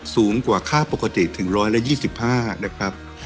สูงกว่าค่าปกติถึง๑๒๕นะครับ